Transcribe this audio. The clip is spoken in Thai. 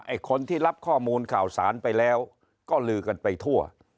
คนที่รับข้อมูลข่าวสารไปแล้วก็ลือกันไปทั่ว